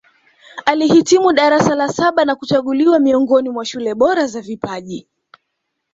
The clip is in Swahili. Alihitimu darasa la saba na kuchaguliwa miongoni mwa shule bora za vipaji